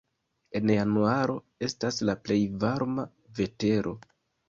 En januaro estas la plej varma vetero.